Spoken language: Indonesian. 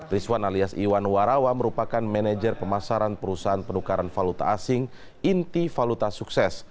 rizwan alias iwan warawa merupakan manajer pemasaran perusahaan penukaran valuta asing inti valuta sukses